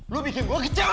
lu bikin gue kecewa